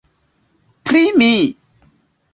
Pri mi!?